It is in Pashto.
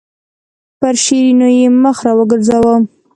پر شیرینو یې مخ راوګرځاوه.